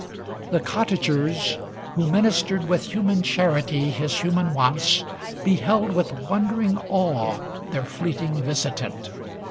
The cottagers, Who ministered with human charity His human wants, beheld with wondering awe Their fleeting visitant.